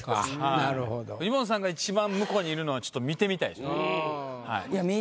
フジモンさんが一番向こうにいるのはちょっと見てみたいですね。